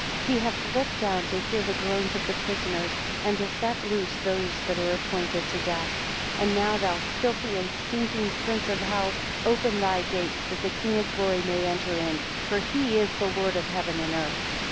16 He hath looked down to hear the groans of the prisoners, and to set loose those that are appointed to death. 17 And now, thou filthy and stinking prince of hell, open thy gates, that the King of Glory may enter in; for he is the Lord of heaven and earth.